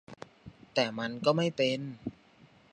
แต่มันก็ไม่เป็น